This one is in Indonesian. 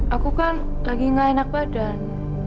aku kan lagi gak enak badan